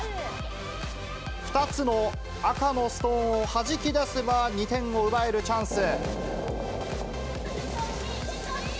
２つの赤のストーンをはじき出せば２点を奪えるチャンス。